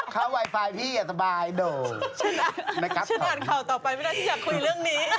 เข้าไวไฟพี่อย่าสบายโด่ฉันอ่านเข่าต่อไปไม่ได้ฉันอยากคุยเรื่องนี้